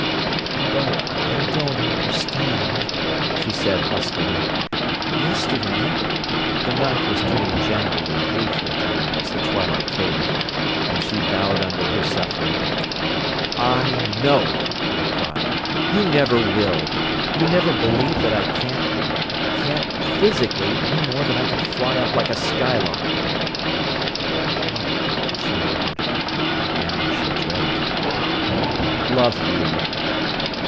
"But I don't understand," she said huskily. "Yesterday—" The night was turning jangled and hateful to him as the twilight faded. And she bowed under her suffering. "I know," he cried, "you never will! You'll never believe that I can't—can't physically, any more than I can fly up like a skylark—" "What?" she murmured. Now she dreaded. "Love you."